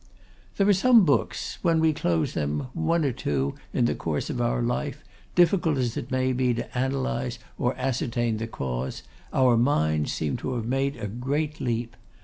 There are some books, when we close them; one or two in the course of our life, difficult as it may be to analyse or ascertain the cause; our minds seem to have made a great leap.